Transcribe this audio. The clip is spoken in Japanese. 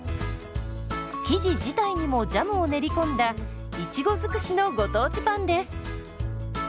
生地自体にもジャムを練り込んだいちご尽くしのご当地パンです。